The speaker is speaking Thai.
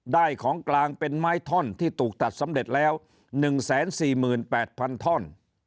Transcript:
ได้ของกลางเป็นไม้ท่อนที่ตูกตัดสำเร็จแล้วหนึ่งแสนสี่หมื่นแปดพันท่อน